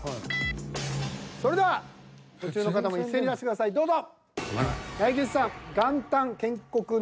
それでは途中の方も一斉に出してくださいどうぞ。